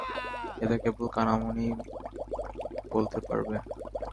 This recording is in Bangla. এটা কেবল কানমাণিই বলতে পারবে।